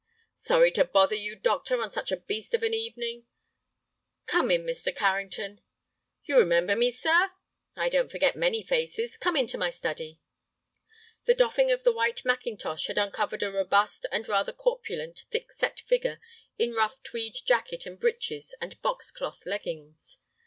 "Sorry to bother you, doctor, on such a beast of an evening." "Come in, Mr. Carrington." "You remember me, sir?" "I don't forget many faces. Come into my study." The doffing of the white mackintosh had uncovered a robust and rather corpulent, thick set figure in rough tweed jacket and breeches and box cloth leggings.